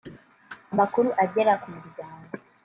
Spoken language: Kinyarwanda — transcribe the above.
Amakuru agera k’umuryango